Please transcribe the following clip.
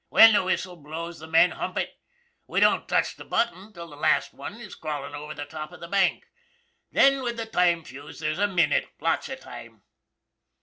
When the whistle blows the men hump it. We don't touch the button till the last one is crawlin' over the top of the bank. Then, with the time fuse, there's a minute, lots of time."